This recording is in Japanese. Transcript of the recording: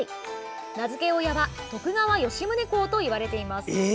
名付け親は徳川吉宗公といわれています。